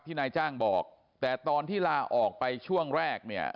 นายจ้างบอกแต่ตอนที่ลาออกไปช่วงแรกเนี่ย